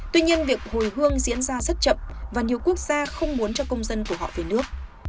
tuy nhiên việc hồi hương diễn ra rất chậm và nhiều quốc gia không muốn cho công dân của họ về nước